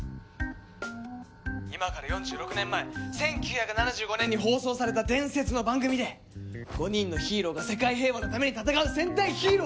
今から４６年前１９７５年に放送された伝説の番組で５人のヒーローが世界平和のために戦う戦隊ヒーロー！